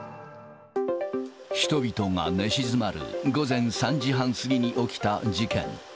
人々が寝静まる午前３時半過ぎに起きた事件。